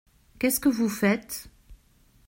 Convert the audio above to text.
Qu’est-ce que vous faites ?